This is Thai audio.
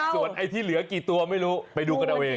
ส่วนไอ้ที่เหลือกี่ตัวไม่รู้ไปดูกันเอาเอง